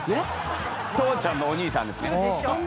父ちゃんのお兄さんですね。